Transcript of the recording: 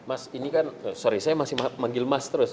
mas ini kan sorry saya masih manggil mas terus